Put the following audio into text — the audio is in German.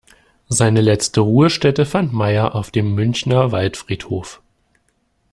Seine letzte Ruhestätte fand Mayr auf dem Münchener Waldfriedhof.